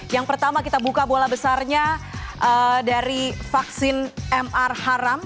yang pertama kita buka bola besarnya dari vaksin mr haram